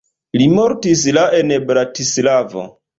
Li mortis la en Bratislavo.